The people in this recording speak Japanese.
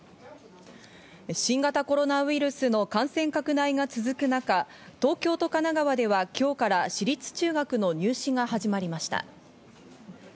新型コロナウイルスの感染拡大が続く中、東京と神奈川では今日から私立中学の入試が始まりました。